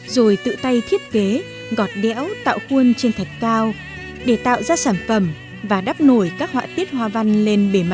rồi tự tay thiết kế gọt đéo tạo khuôn trên thạch cao để tạo ra sản phẩm và đắp nổi các họa tiết hoa văn lên bề mặt